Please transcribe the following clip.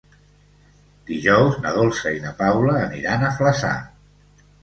Dijous na Dolça i na Paula aniran a Flaçà.